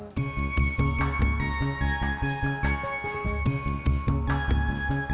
tidak itu bukan hiburan